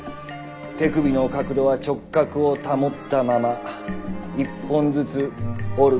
手首の角度は直角を保ったまま一本ずつ折る。